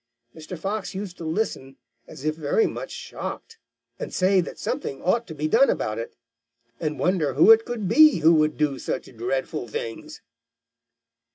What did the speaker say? Mr. Fox used to listen as if very much shocked, and say that something ought to be done about it, and wonder who it could be who would do such dreadful things.